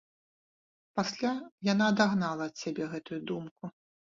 Пасля яна адагнала ад сябе гэтую думку.